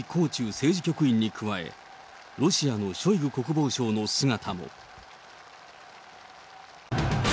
政治局員に加え、ロシアのショイグ国防相の姿も。